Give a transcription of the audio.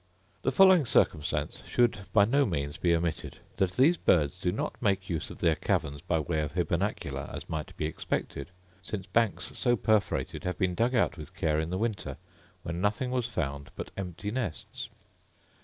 The following circumstance should by no means be omitted — that these birds do not make use of their caverns by way of hybernacula, as might be expected; since banks so perforated have been dug out with care in the winter, when nothing was found but empty nests.